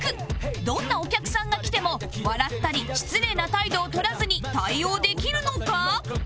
どんなお客さんが来ても笑ったり失礼な態度をとらずに対応できるのか？